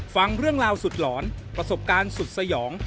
ฟังเรื่องราวสุดหลอนประสบการณ์สุดสยอง